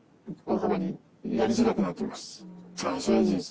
やりづらくなっています。